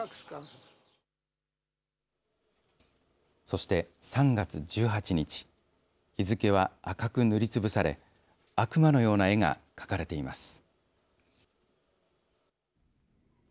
そして３月１８日、日付は赤く塗りつぶされ、悪魔のような絵が描かれています。